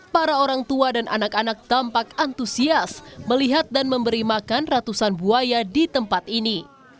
para orang tua dan anak anak tampak antusias melihat dan memberi makan ratusan buaya di tempat ini